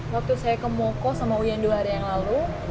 waktu saya ke moko sama uyan dua hari yang lalu